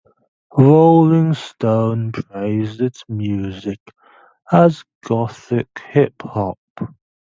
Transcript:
"Rolling Stone" praised its music as "Gothic hip-hop".